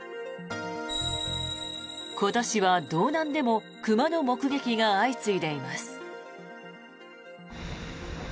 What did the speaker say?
今年は道南でも熊の目撃が相次いでいます。